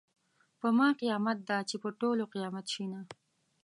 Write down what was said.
په ما قیامت ده چې په ټولو قیامت شینه .